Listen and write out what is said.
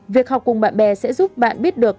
việc học cùng bạn bè sẽ giúp bạn biết được